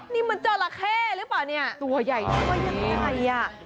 นี่มันจราเข้หรือเปล่าเนี่ยตัวใหญ่นึกว่ายังไงอ่ะ